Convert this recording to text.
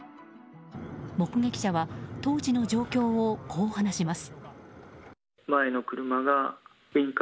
目撃者は、当時の状況をこう話します。